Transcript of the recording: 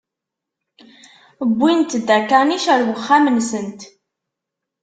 Wwint-d akanic ar wexxam-nsent.